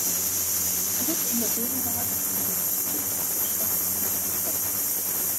Zurück in der Gegenwart liegt Chips geschwächt in seinem Bett.